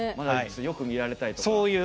よく見られたいとか。